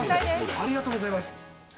ありがとうございます。